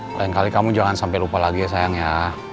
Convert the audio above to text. lain kali kamu jangan sampai lupa lagi ya sayang ya